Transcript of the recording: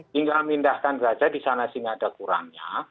tinggal pindahkan gajah di sana sehingga ada kurangnya